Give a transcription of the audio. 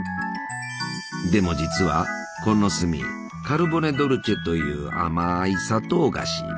でも実はこの炭カルボネ・ドルチェという甘い砂糖菓子。